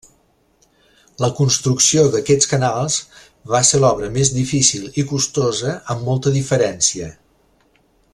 La construcció d'aquests canals va ser l'obra més difícil i costosa amb molta diferència.